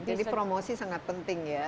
jadi promosi sangat penting ya